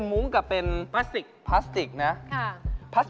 มุ้งและพลาสติครับ